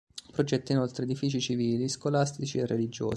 Progetta inoltre edifici civili, scolastici e religiosi.